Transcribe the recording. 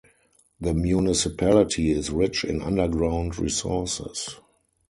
The municipality is rich in underground resources.